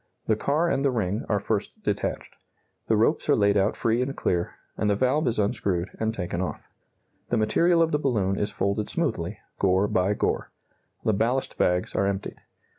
The car and the ring are first detached. The ropes are laid out free and clear, and the valve is unscrewed and taken off. The material of the balloon is folded smoothly, gore by gore. The ballast bags are emptied.